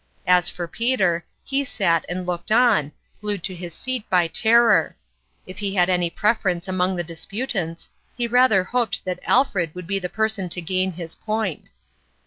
As for Peter, lie sat and looked on, glued to his seat by terror : if he had any preference among the disputants, he rather hoped that Alfred would be the person to gain his point.